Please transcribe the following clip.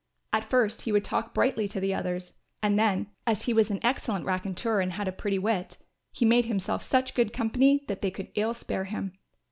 At first he would talk brightly to the others and then, as he was an excellent raconteur and had a pretty wit, he made himself such good company that they could ill spare him.